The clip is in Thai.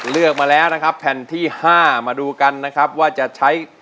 เลือกมาแล้วนะครับแผ่นที่๕มาดูกันนะครับว่าจะใช้